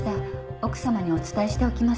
奥様にお伝えしておきます。